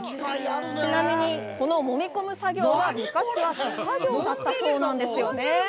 ちなみに、このもみ込む作業は昔は手作業だったそうなんですよね。